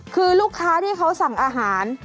คือลูกค้าที่เขาสั่งอาหาร